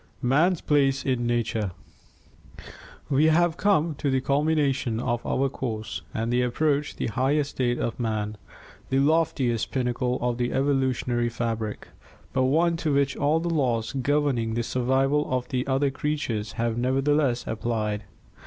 Man's Place in Nature We have come to the culmination of our course and approach the high estate of man, the loftiest pinnacle of the evolutionary fabric, but one to which all of the laws governing the survival of the other creatures have nevertheless applied.